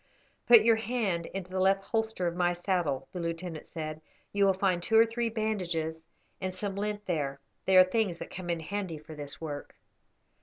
"Put your hand into the left holster of my saddle," the lieutenant said. "You will find two or three bandages and some lint there; they are things that come in handy for this work.